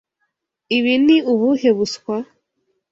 Ibi ni ubuhe buswa?